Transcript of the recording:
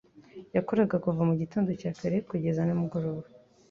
yakoraga kuva mu gitondo cya kare kugeza nimugoroba